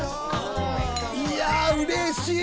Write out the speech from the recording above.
いやうれしい！